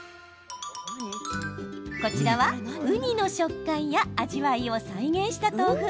こちらは、ウニの食感や味わいを再現した豆腐。